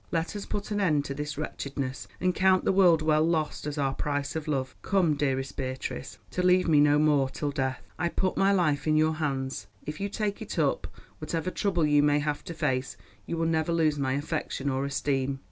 Let us put an end to this wretchedness, and count the world well lost as our price of love. Come, dearest Beatrice—to leave me no more till death. I put my life in your hands; if you take it up, whatever trouble you may have to face, you will never lose my affection or esteem.